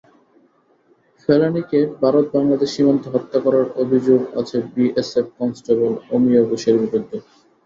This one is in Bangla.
ফেলানীকে ভারত-বাংলাদেশ সীমান্তে হত্যা করার অভিযোগ আছে বিএসএফ কনস্টেবল অমিয় ঘোষের বিরুদ্ধে।